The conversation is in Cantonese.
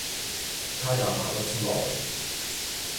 他也跑不出來